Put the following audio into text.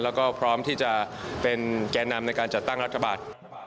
แล้วก็พร้อมที่จะเป็นแก่นำในการจัดตั้งรัฐบาล